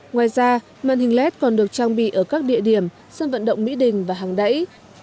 ngoài ra màn hình led còn được trang bị ở các địa điểm sân vận động mỹ đình và hàng đẩy